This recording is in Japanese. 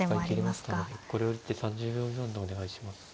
これより一手３０秒未満でお願いします。